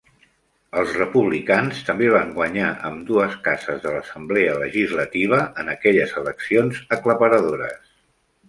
Els republicans també van guanyar ambdues cases de la assemblea legislativa en aquelles eleccions aclaparadores.